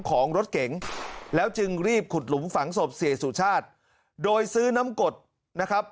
ของรถเก๋งแล้วจึงรีบขุดหลุมฝังศพเสียสุชาติโดยซื้อน้ำกดนะครับ